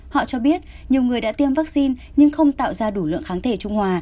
họ cho biết nhiều người đã tiêm vaccine nhưng không tạo ra đủ lượng kháng thể trung hòa